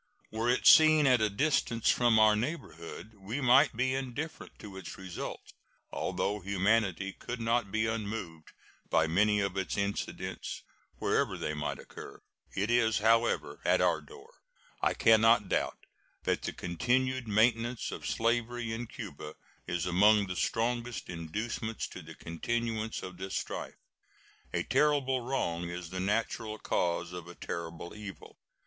Were its scene at a distance from our neighborhood, we might be indifferent to its result, although humanity could not be unmoved by many of its incidents wherever they might occur. It is, however, at our door. I can not doubt that the continued maintenance of slavery in Cuba is among the strongest inducements to the continuance of this strife. A terrible wrong is the natural cause of a terrible evil.